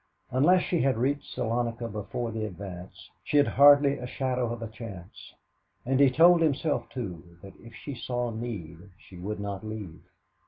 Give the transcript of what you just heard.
Unless she had reached Salonika before the advance, she'd have hardly a shadow of a chance. And he told himself, too, that if she saw need, she would not leave.